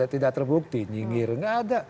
tidak terbukti nyingir gak ada